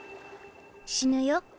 死ぬよ。